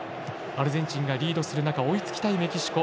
アルゼンチンがリードする中追いつきたいメキシコ。